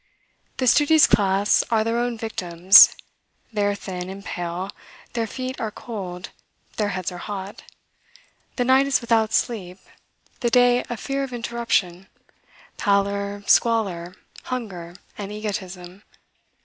The studious class are their own victims; they are thin and pale, their feet are cold, their heads are hot, the night is without sleep, the day a fear of interruption, pallor, squalor, hunger, and egotism.